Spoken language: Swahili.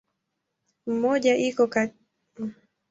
Mmoja iko pia kwenye obiti ya Dunia.